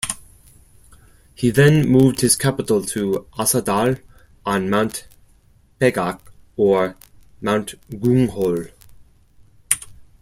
He then moved his capital to Asadal on Mount Paegak or Mount Gunghol.